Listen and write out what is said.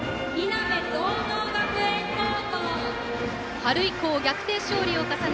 春以降、逆転勝利を重ね